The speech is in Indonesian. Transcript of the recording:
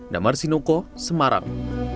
damar sinoko semarang